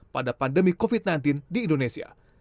pada pandemi covid sembilan belas di indonesia